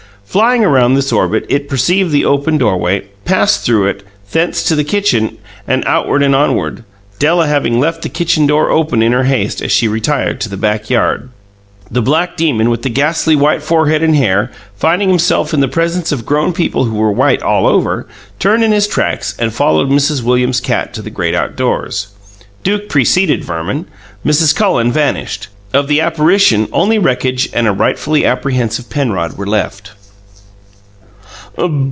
Flying round this orbit, it perceived the open doorway; passed through it, thence to the kitchen, and outward and onward Della having left the kitchen door open in her haste as she retired to the backyard. The black demon with the gassly white forehead and hair, finding himself in the presence of grown people who were white all over, turned in his tracks and followed Mrs. Williams's cat to the great outdoors. Duke preceded Verman. Mrs. Cullen vanished. Of the apparition, only wreckage and a rightfully apprehensive Penrod were left.